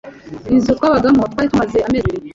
inzu twabagamo twari tumaze amezi abiri